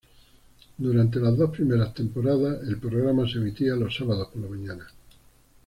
Durante las dos primeras temporadas el programa se emitía los sábados por la mañana.